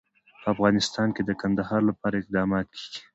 په افغانستان کې د کندهار لپاره اقدامات کېږي.